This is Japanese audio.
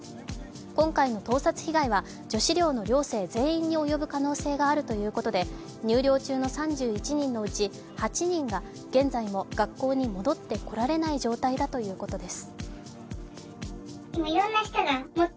今回の盗撮被害は女子寮の寮生全員に及ぶ可能性があるということで入寮中の３１人のうち８人が現在も学校に戻ってこられない状態だということです。